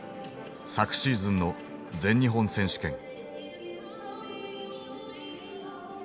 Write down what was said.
昨シーズンの全日本選手権。